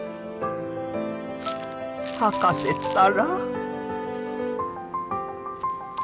博士ったら。